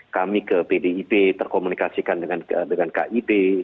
kami ke pdip terkomunikasikan dengan kib